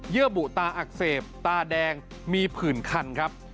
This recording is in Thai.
ื่อบุตาอักเสบตาแดงมีผื่นคันครับ